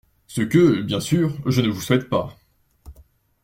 Ce que, bien sûr, je ne vous souhaite pas...